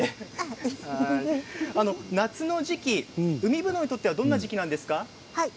夏の時期、海ぶどうにとってはどんな時期ですか？